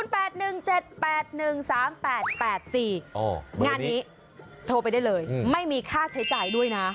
อ๋อเบอร์นี้งานนี้โทรไปได้เลยไม่มีค่าใช้จ่ายด้วยนะ